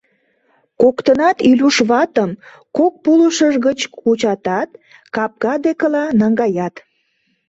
Коктынат Илюш ватым кок пулышыж гыч кучатат, капка декыла наҥгаят.